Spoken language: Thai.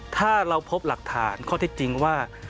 ถ้าเราพบหลักฐานข้อที่จริงว่า